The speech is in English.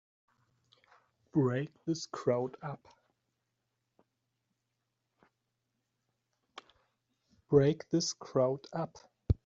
Break this crowd up!